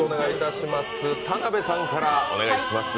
田辺さんからお願いします。